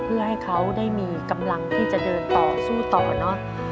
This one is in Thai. เพื่อให้เขาได้มีกำลังที่จะเดินต่อสู้ต่อเนอะ